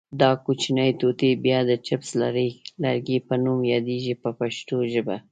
دا کوچنۍ ټوټې بیا د چپس لرګي په نوم یادیږي په پښتو ژبه.